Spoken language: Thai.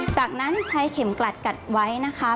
จากนั้นใช้เข็มกลัดกัดไว้นะคะ